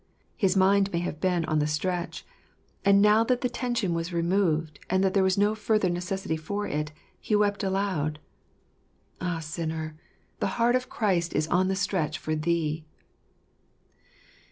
His mind had been on the stretch ; and now that the tension was removed, and that there was no further necessity for it, he wept aloud. Ah, sinner, the heart of Christ is on the stretch for thee